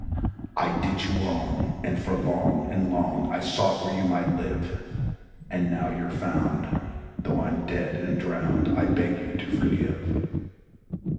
I did you wrong, and for long and long I sought where you might live; And now you're found, though I'm dead and drowned, I beg you to forgive."